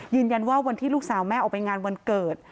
ยืนยันว่าวันที่ลูกสาวแม่ออกไปงานวันเกิด